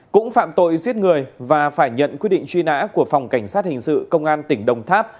cũng phạm tội giết người và phải nhận quyết định truy nã của phòng cảnh sát hình sự công an tỉnh đồng tháp